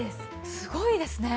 すごいですね。